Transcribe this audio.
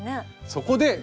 そこで！